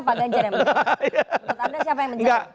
menurut anda siapa yang menjadi